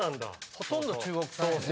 ほとんど中国産やで。